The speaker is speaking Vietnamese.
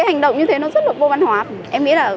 hay con muốn ăn kem bây giờ